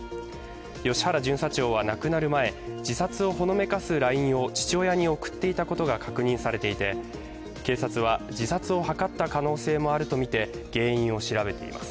吉原巡査長は亡くなる前、自殺をほのめかすＬＩＮＥを父親に送っていたことが確認されていて警察は自殺を図った可能性もあるとみて原因を調べています。